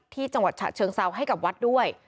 จังหวัดฉะเชิงเซาให้กับวัดด้วย